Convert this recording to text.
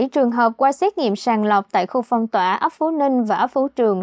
hai mươi bảy trường hợp qua xét nghiệm sàn lọc tại khu phong tỏa ấp phú ninh và ấp phú trường